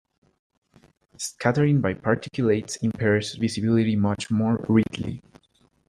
Scattering by particulates impairs visibility much more readily.